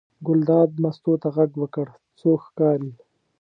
ګلداد مستو ته غږ وکړ: څوک ښکاري.